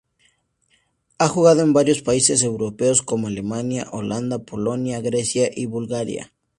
Ha jugado en varios países europeos, como Alemania, Holanda, Polonia, Grecia y Bulgaria.